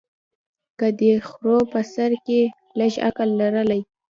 که دې خرو په سر کي لږ عقل لرلای